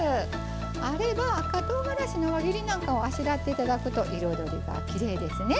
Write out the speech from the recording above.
あれば赤とうがらしの輪切りなんかをあしらって頂くと彩りがきれいですね。